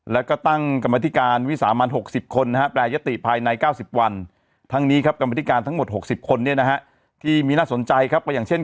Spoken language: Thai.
แล้วก็ตั้งกรรมธิการวิสามัน๖๐คนนะฮะแปรยติภายใน๙๐วันทั้งนี้ครับกรรมธิการทั้งหมด๖๐คนเนี่ยนะฮะที่มีน่าสนใจครับก็อย่างเช่น